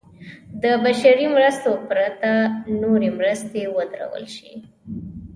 د بشري مرستو پرته نورې مرستې ودرول شي.